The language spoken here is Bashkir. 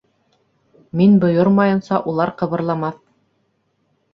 — Мин бойормайынса улар ҡыбырламаҫ.